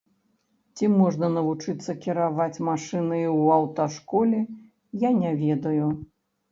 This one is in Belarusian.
Ці можна навучыцца кіраваць машынай ў аўташколе, я не ведаю.